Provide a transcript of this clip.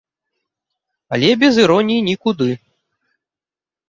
Але, без іроніі нікуды!